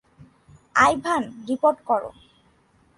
Ivan, report করো।